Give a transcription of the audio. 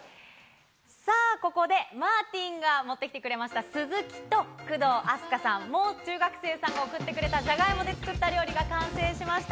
ここでマーティンが持ってきてくれましたスズキと、工藤阿須加さん、もう中学生さんが送ってくれたジャガイモで作った料理が完成しました。